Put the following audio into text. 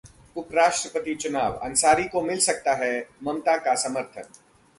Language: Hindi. उपराष्ट्रपति चुनाव: अंसारी को मिल सकता है ममता का समर्थन